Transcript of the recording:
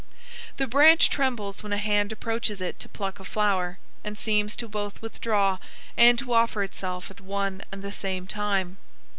The branch trembles when a hand approaches it to pluck a flower, and seems to both withdraw and to offer itself at one and the same time.